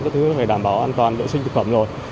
các thứ phải đảm bảo an toàn đổi sinh thực phẩm rồi